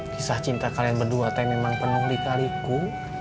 kisah cinta kalian berdua tee memang penuh dikaliku